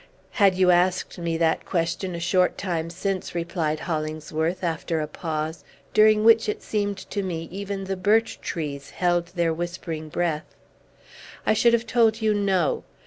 "Had you asked me that question a short time since," replied Hollingsworth, after a pause, during which, it seemed to me, even the birch trees held their whispering breath, "I should have told you 'No!'